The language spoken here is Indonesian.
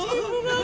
mas silahkan masuk